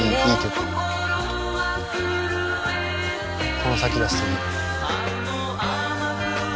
この先がすてき。